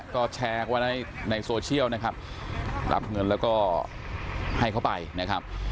ก็แชร์ไว้ในโซเชียลนะครับรับเงินแล้วก็ให้เขาไปนะครับ